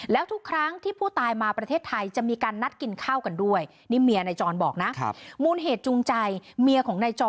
แล้วทุกครั้งที่ผู้ตายมาประเทศไทยจะมีการนัดกินข้าวกันด้วย